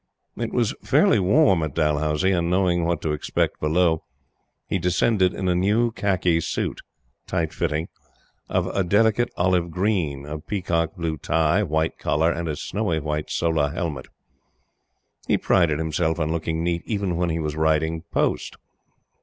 It was fairly warm at Dalhousie, and knowing what to expect below, he descended in a new khaki suit tight fitting of a delicate olive green; a peacock blue tie, white collar, and a snowy white solah helmet. He prided himself on looking neat even when he was riding post.